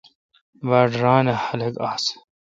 باڑ ران اؘ خلق آس ۔